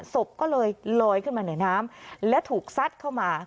ศพก็เลยลอยขึ้นมาเหนือน้ำและถูกซัดเข้ามา